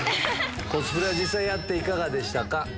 コスプレは実際やっていかがでしたか？